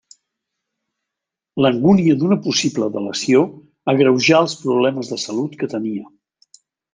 L'angúnia d'una possible delació agreujà els problemes de salut que tenia.